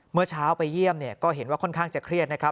เมื่อเช้าไปเยี่ยมเนี่ยก็เห็นว่าค่อนข้างจะเครียดนะครับ